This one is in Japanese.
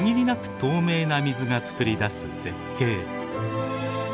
透明な水が作り出す絶景。